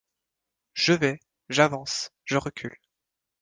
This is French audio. Je vais, j’avance, je recule